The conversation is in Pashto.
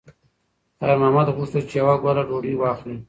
خیر محمد غوښتل چې یوه ګوله ډوډۍ واخلي.